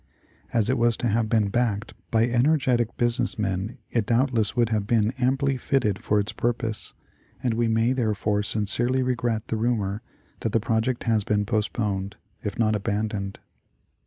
As it was to have been backed by energetic business men it doubtless would have been amply fitted for its purpose, and we may, therefore, sincerely regret the rumor that the project has been postponed — if not abandoned.